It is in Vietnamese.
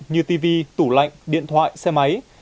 như tv tủ lạnh điện thoại xe máy